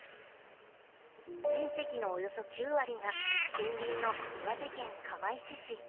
面積のおよそ９割が森林の岩手県釜石市。